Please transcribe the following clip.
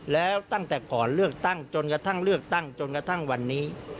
แล้วตั้งแต่ก่อนเลือกตั้งจนกระทั่งเลือกตั้งจนกระทั่งวันนี้